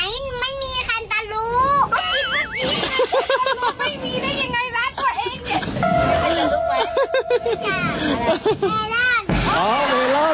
มิชุนา